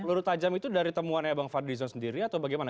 peluru tajam itu dari temuan abang fadlison sendiri atau bagaimana